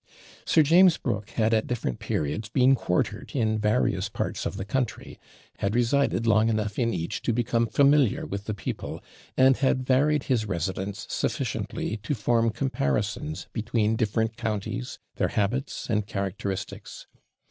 Sir James Brooke had at different periods been quartered in various parts of the country had resided long enough in each to become familiar with the people, and had varied his residence sufficiently to form comparisons between different counties, their habits, and characteristics.